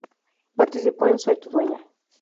Participó en "Soy tu dueña".